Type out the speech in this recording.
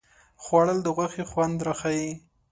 خوړل د غوښې خوند راښيي